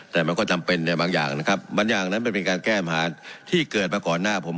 แต่มันก็จำเป็นในบางอย่างนะครับบางอย่างนั้นมันเป็นการแก้ปัญหาที่เกิดมาก่อนหน้าผม